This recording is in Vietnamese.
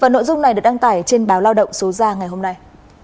nội dung này được đăng tải trên báo lao động số ra ngày hôm nay